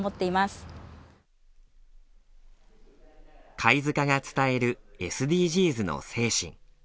貝塚が伝えるＳＤＧｓの精神。